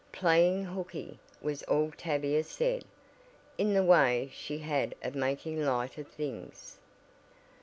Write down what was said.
"Playin' hookey," was all Tavia said, in the way she had of making light of things.